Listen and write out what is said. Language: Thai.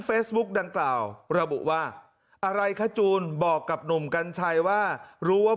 เฟซบุ๊กดังกล่าวระบุว่าอะไรคะจูนบอกกับหนุ่มกัญชัยว่ารู้ว่า